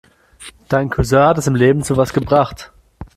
Dein Cousin hat es im Leben zu was gebracht.